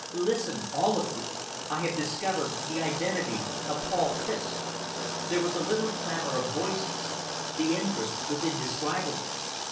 Listen, all of you! I have discovered the identity of Paul Fiske." There was a little clamour of voices. The interest was indescribable.